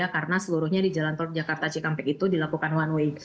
karena seluruhnya di jalan tol jakarta cikampek itu dilakukan one way